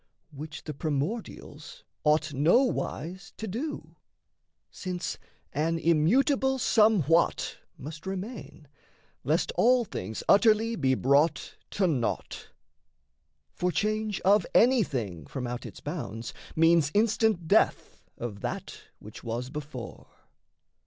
Which the primordials ought nowise to do. Since an immutable somewhat must remain, Lest all things utterly be brought to naught. For change of anything from out its bounds Means instant death of that which was before.